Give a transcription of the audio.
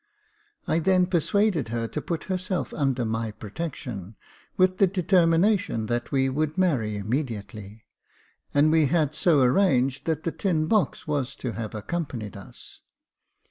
I then persuaded her to put herself under my protection, with the determination that we would marry immediately ; and we had so arranged, that the tin box was to have accompanied us.